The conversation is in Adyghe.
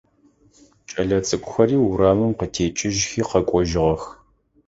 Кӏэлэцӏыкӏухэри урамым къытекӏыжьхи къэкӏожьыгъэх.